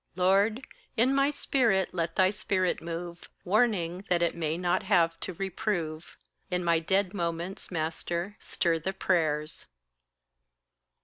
Lord, in my spirit let thy spirit move, Warning, that it may not have to reprove: In my dead moments, master, stir the prayers.